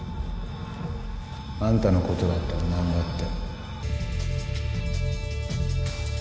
あんたのことだったら何だって